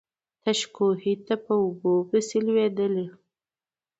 تش کوهي ته په اوبو پسي لوېدلی.